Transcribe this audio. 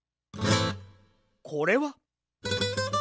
これは。